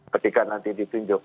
ketika nanti ditunjuk